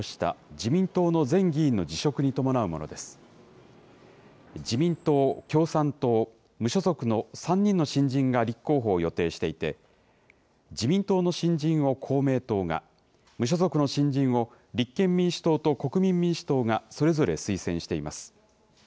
自民党、共産党、無所属の３人の新人が立候補を予定していて、自民党の新人を公明党が、無所属の新人を立憲民主党と国民民主党が、それぞれ推薦しています。